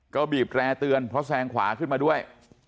ก็บีบแร่เตือนเพราะแซงขวาขึ้นมาด้วย